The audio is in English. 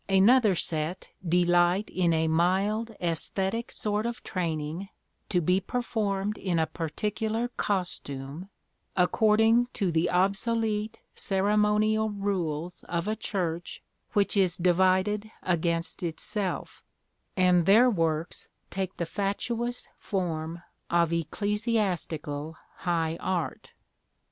Another set delight in a mild æsthetic sort of training, to be performed in a particular costume, according to the obsolete ceremonial rules of a Church 'which is divided against itself,' and their works take the fatuous form of ecclesiastical high art.